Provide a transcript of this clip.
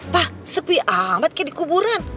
wah sepi amat kayak di kuburan